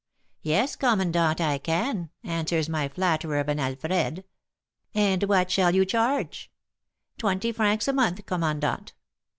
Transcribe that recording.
'Yes, commandant, I can,' answers my flatterer of an Alfred. 'And what shall you charge?' 'Twenty francs a month, commandant.'